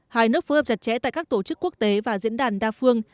hai nước phối hợp chặt chẽ tại các tổ chức quốc tế và diễn đàn đa phương